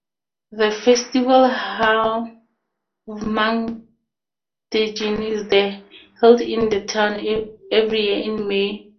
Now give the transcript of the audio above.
The festival Havmanndagene is held in the town every year in May.